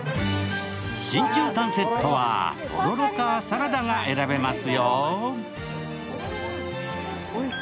真中たんセットはとろろかサラダか選べますよ。